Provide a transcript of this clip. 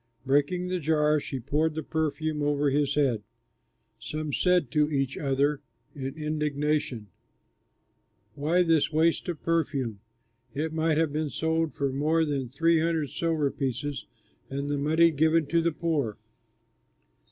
Breaking the jar she poured the perfume over his head. Some said to each other in indignation, "Why this waste of perfume? It might have been sold for more than three hundred silver pieces and the money given to the poor."